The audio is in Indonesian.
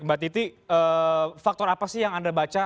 mbak titi faktor apa sih yang anda baca